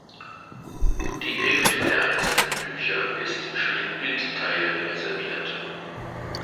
Gut die Hälfte der einzelnen Bücher ist für den Bildteil reserviert.